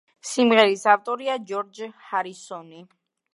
სიმღერის ავტორია ჯორჯ ჰარისონი.